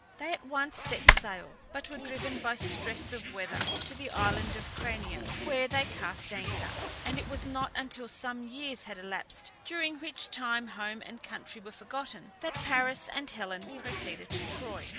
They at once set sail, but were driven by stress of weather to the island of Crania, where they cast anchor; and it was not until some years had elapsed, during which time home and country were forgotten, that Paris and Helen proceeded to Troy.